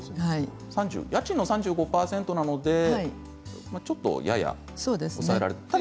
家賃の３５％なのでやや抑えられる。